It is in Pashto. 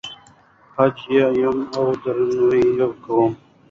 خج يې بم او دروند وېل کېږي.